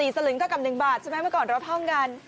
สลึงเท่ากับ๑บาทใช่ไหมเมื่อก่อนเราเท่ากัน